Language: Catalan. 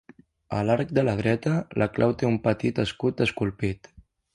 A l'arc de la dreta, la clau té un petit escut esculpit.